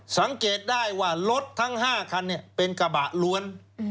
สังเกตได้ว่ารถทั้ง๕คันเป็นกระบะล้วน